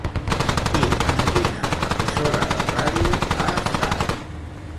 I en quina emissora de ràdio ha estat?